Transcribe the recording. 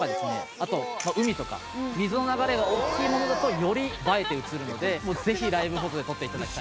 あと海とか水の流れが大きいものだとより映えて写るのでもうぜひライブフォトで撮っていただきたいですね。